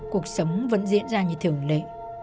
cuộc sống vẫn diễn ra như thường lệ